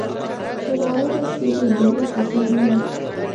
چې را ورېسېدې ګنې ختم وې